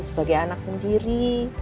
sebagai anak sendiri